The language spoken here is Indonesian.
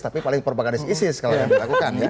tapi paling perbagianis isis kalau yang dilakukan